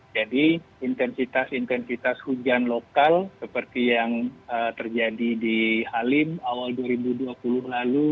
jadi intensitas intensitas hujan lokal seperti yang terjadi di halim awal dua ribu dua puluh lalu